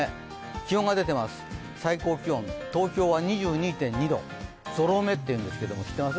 気温が出ています、最高気温、東京は２２．２度、ぞろ目っていうんですけど知ってます？